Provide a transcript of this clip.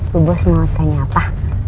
lu bos mau tanya apa